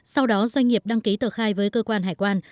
sau đó doanh nghiệp đăng ký tờ khai với cơ quan hải quan